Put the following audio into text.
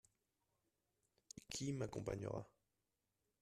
Qui m’accompagnera.